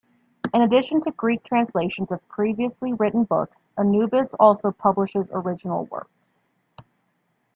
In addition to Greek translations of previously written books, Anubis also publishes original works.